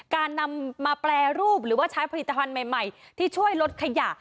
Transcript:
การนำมาแปรรูปหรือว่าใช้ผลิตภัณฑ์ใหม่ที่ช่วยลดขยะ